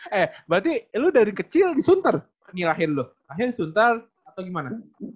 berarti lu dari kecil disuntar lagi lahir lu lahir disuntar atau gimana